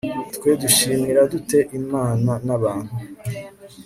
twe dushimira dute imana n'abantu